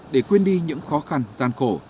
để quên đi những khó khăn gian khổ